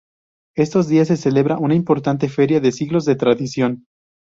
Estos días se celebra una importante feria, de siglos de tradición.